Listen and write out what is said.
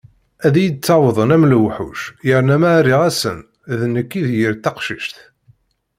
Ad iyi-d-ttawḍen am lewḥuc yerna ma rriɣ-asen d nekk i d yir taqcict.